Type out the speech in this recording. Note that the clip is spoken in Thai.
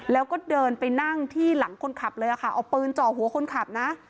แล้วก็เดินไปนั่งที่หลังคนขับเลยค่ะเอาปืนจ่อหัวคนขับนะ